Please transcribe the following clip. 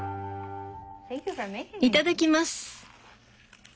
いただきます。